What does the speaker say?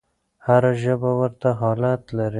هره ژبه ورته حالت لري.